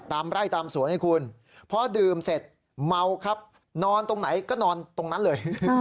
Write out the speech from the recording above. ไร่ตามสวนให้คุณพอดื่มเสร็จเมาครับนอนตรงไหนก็นอนตรงนั้นเลย